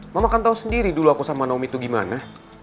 mama kan tau sendiri dulu aku sama naomi tuh gimana